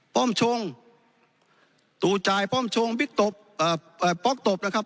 ป้อมชงตู่จ่ายป้อมชงบิ๊กตบเอ่อป๊อกตบนะครับ